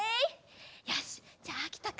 よしじゃああきとくん